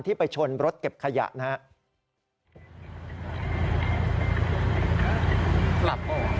ที่ไปชนรถเก็บขยะนะฮะ